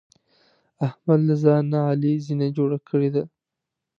احمد له ځان نه علي زینه جوړه کړې ده.